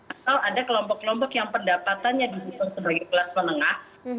atau ada kelompok kelompok yang pendapatannya disebut sebagai kelas menengah